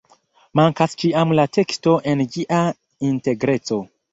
Mankas ĉiam la teksto en ĝia integreco.